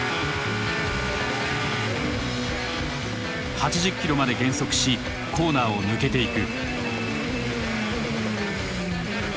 ８０キロまで減速しコーナーを抜けていく。